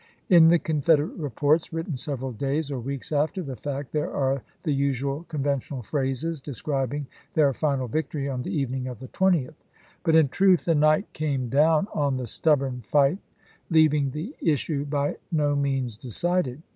In the Confederate reports written several days or weeks after the fact, there are the usual conven tional phrases describing their final victory on the evening of the 20th ; but, in truth, night came down on the stubborn fight leaving the issue by no means decided.